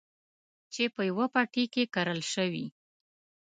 چې په يوه پټي کې کرل شوي.